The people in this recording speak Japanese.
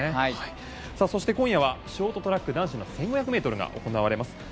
そして今夜はショートトラック男子の１５００ｍが行われます。